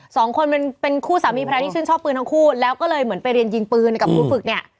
สองคนเป็นคู่สามีพระที่ชื่นชอบปืนทั้งคู่แล้วก็เลยเหมือนไปเรียนยิงปืนกับครูฝึกเนี่ย